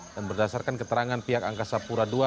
dan berdasarkan keterangan pihak angkasa pura ii